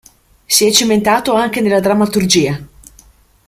Si è cimentato anche nella drammaturgia.